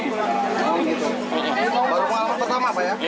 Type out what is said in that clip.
baru mau apa pertama pak ya